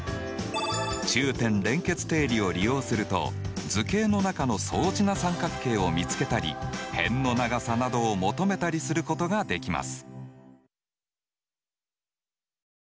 中点連結定理を利用すると図形の中の相似な三角形を見つけたり辺の長さなどを求めたりすることができます。